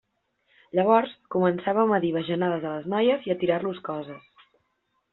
Llavors començàvem a dir bajanades a les noies i a tirar-los coses.